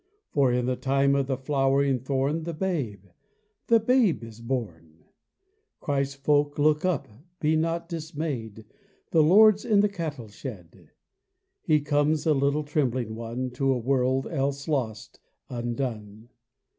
For in the time of the flowering thorn The Babe, the Babe, is born 1 Christ's folk, look up, be not dismayed, The Lord's in the cattle shed. He comes, a little trembling One, To a world else lost, undone.